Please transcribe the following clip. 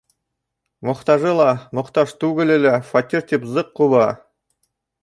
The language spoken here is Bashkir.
Мохтажы ла, мохтаж түгеле лә фатир тип зыҡ ҡуба.